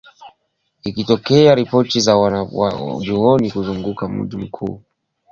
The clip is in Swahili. Ikitoa ripoti za waasi wanaojihami kuzunguka mji mkuu Tripoli huku serikali zinazopingana zikiwania madaraka